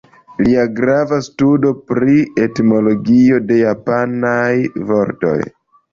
Lia grava studo pri etimologio de japanaj vortoj.